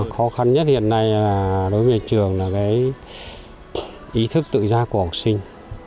khó khăn nhất hiện nay đối với trường là ý thức tự giác của học sinh